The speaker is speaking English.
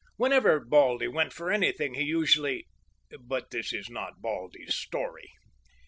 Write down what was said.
Whenever Baldy went for anything he usually—but this is not Baldy's story.